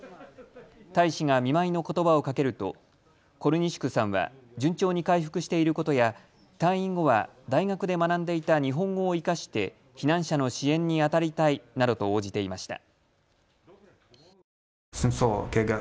大使が見舞いのことばをかけるとコルニシュクさんは順調に回復していることや退院後は大学で学んでいた日本語を生かして避難者の支援にあたりたいなどと応じていました。